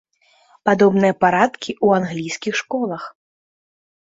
Падобныя парадкі ў англійскіх школах.